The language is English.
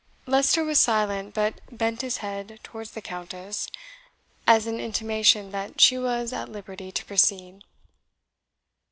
Leicester was silent, but bent his head towards the Countess, as an intimation that she was at liberty to proceed.